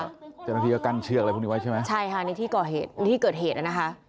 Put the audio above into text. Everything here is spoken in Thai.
เจ้าหน้าที่ก็กันเชือกอะไรพรุ่งนี้ไว้ใช่ไหมใช่ค่ะในที่เกิดเหตุนะค่ะ